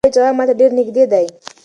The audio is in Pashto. ملا وویل چې غږ ماته ډېر نږدې دی.